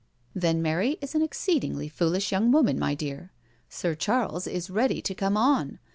" Then Mary is an exceedingly foolish young woman, my dear. Sir Charles is ready to come on.